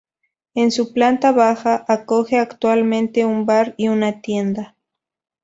En su planta baja acoge actualmente un bar y una tienda.